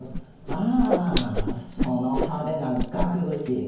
ああその派手な額縁？